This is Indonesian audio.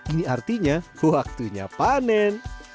ini artinya waktunya panen